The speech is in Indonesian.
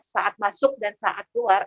saat masuk dan saat keluar